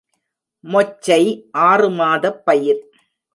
மொச்சை ஆறுமாதப் பயிர்.